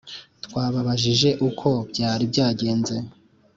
Twababajije uko byari byagenze